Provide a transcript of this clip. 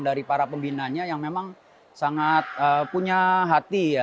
dari para pembinanya yang memang sangat punya hati ya